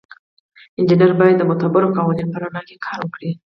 انجینر باید د معتبرو قوانینو په رڼا کې کار وکړي.